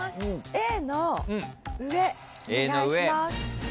Ａの上お願いします。